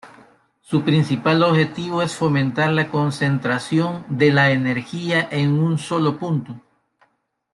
Su principal objetivo es fomentar la concentración de la energía en un solo punto".